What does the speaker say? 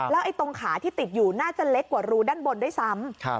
แล้วตรงขาที่ติดอยู่น่าจะเล็กกว่ารูด้านบนด้วยซ้ำ